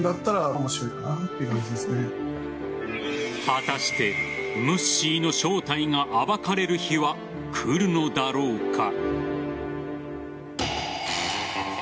果たしてムッシーの正体が暴かれる日は来るのだろうか。